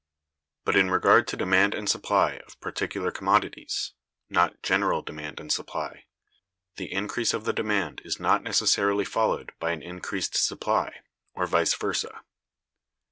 But in regard to demand and supply of particular commodities (not general demand and supply), the increase of the demand is not necessarily followed by an increased supply, or vice versa.